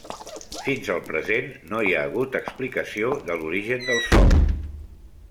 Fins al present no hi ha hagut explicació de l'origen del so.